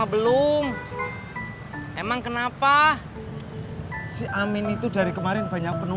b pla meran nya sampai kapan